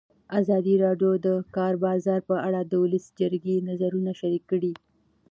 ازادي راډیو د د کار بازار په اړه د ولسي جرګې نظرونه شریک کړي.